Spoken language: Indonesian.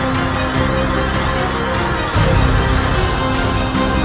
kau jadi sowasaka